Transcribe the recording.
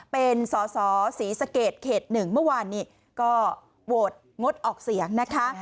เป็นสอสอศรีสะเกดเขต๑เมื่อวานนี้ก็โหวตงดออกเสียงนะคะ